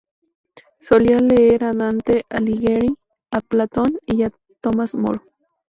Solía leer a Dante Alighieri, a Platón y a Tomás Moro.